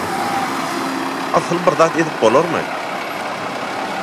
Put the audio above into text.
Asyl bir zat edip bolarmy?